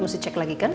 mesti cek lagi kan